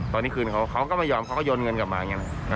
ตอนนี้คืนเขาก็ไม่ยอมเขาก็โยนเงินกลับมาอย่างนี้นะ